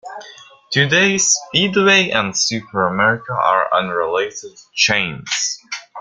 Today Speedway and SuperAmerica are unrelated chains.